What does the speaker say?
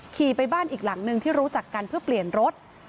ขี่ไปบ้านอีกหลังนึงที่รู้จักกันเพื่อเปลี่ยนรถ